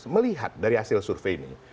melihat dari hasil survei ini